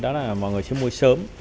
đó là mọi người sẽ mua sớm